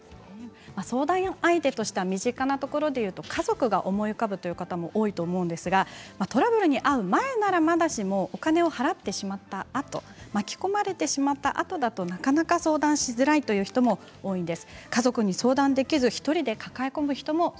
相談相手は身近なところでは、家族が思い浮かぶ方も多いと思いますがトラブルに遭う前ならまだしもお金を支払ってしまったあと巻き込まれてしまったあとだとなかなか相談しづらいという人も多いんです。